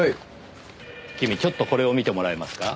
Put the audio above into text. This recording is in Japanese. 君ちょっとこれを見てもらえますか？